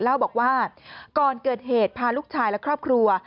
เล่าบอกว่าก่อนเกิดเหตุพาลูกชายและครอบครัว